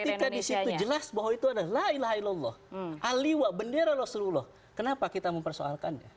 ketika di situ jelas bahwa itu adalah la ilaha ilallah aliwa bendera rasulullah kenapa kita mempersoalkannya